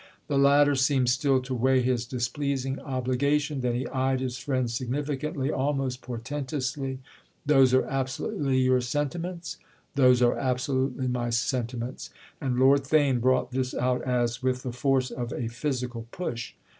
The latter seemed still to weigh his displeasing obligation; then he eyed his friend significantly—almost portentously. "Those are absolutely your sentiments?" "Those are absolutely my sentiments"—and Lord Theign brought this out as with the force of a physical push.